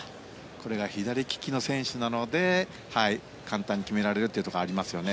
これが左利きの選手なので簡単に決められるというところがありますね。